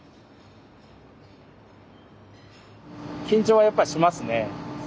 緊張はやっぱしますね。